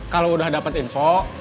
kalau udah dapet info